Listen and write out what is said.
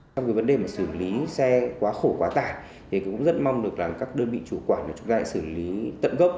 trong cái vấn đề mà xử lý xe quá khổ quá tải thì cũng rất mong được là các đơn vị chủ quản chúng ta lại xử lý tận gốc